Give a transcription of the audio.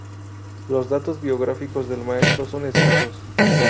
Los datos biográficos del maestro son escasos.